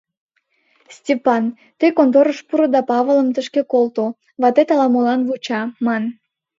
Степан, тый конторыш пуро да Павылым тышке колто: ватет ала-молан вуча, ман...